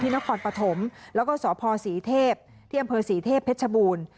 นครปฐมแล้วก็สพศรีเทพที่อำเภอศรีเทพเพชรบูรณ์